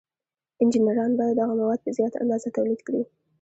انجینران باید دغه مواد په زیاته اندازه تولید کړي.